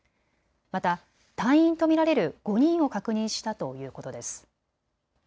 また隊員と見られる５人を確認したということです。